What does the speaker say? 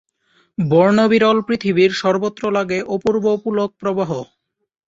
বর্ণ বিরল পৃথিবীর সর্বত্র লাগে অপূর্ব পুলক প্রবাহ।